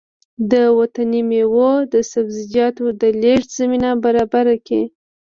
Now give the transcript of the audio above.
د وطني مېوو او سبزيجاتو د لېږد زمينه برابره کړي